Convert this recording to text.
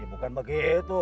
eh bukan begitu